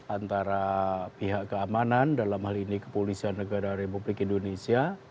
antara pihak keamanan dalam hal ini kepolisian negara republik indonesia